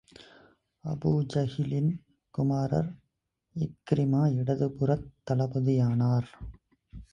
அபூஜஹிலின் குமாரர், இக்ரிமா இடது புறத் தளபதியானார்.